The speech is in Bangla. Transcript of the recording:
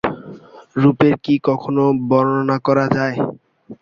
রূপের কি কখনো বর্ণনা করা যায়।